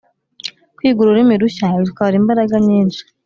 Kwiga ururimi rushya bitwara imbaraga nyinshi